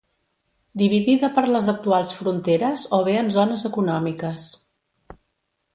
Dividida per les actuals fronteres o bé en zones econòmiques